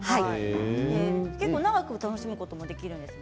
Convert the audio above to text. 結構、長く楽しむことができるんですね。